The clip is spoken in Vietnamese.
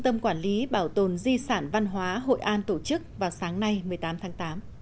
tâm quản lý bảo tồn di sản văn hóa hội an tổ chức vào sáng nay một mươi tám tháng tám